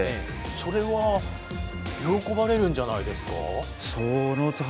それは喜ばれるんじゃないですか？